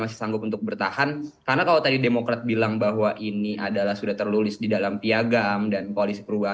apakah akan berlayar